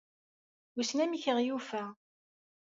Wissen amek i aɣ-yufa ?